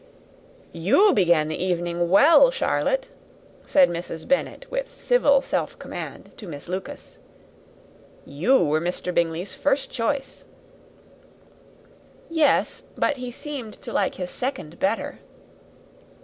"You began the evening well, Charlotte," said Mrs. Bennet, with civil self command, to Miss Lucas. "You were Mr. Bingley's first choice." "Yes; but he seemed to like his second better."